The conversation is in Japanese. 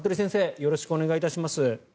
よろしくお願いします。